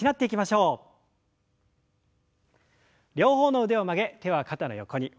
両方の腕を曲げ手は肩の横に。